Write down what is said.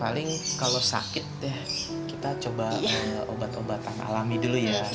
paling kalau sakit deh kita coba obat obatan alami dulu ya